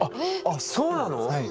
そうなの！